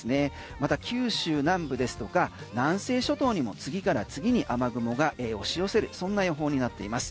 また九州南部ですとか南西諸島にも次から次に雨雲が押し寄せるそんな予報になっています。